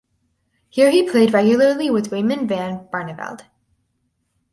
Here he played regularly with Raymond van Barneveld.